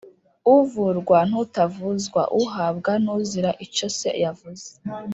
uvurwa n’utavuzwa, uhambwa n’uzira icyo se yavuze